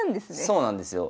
そうなんですよ。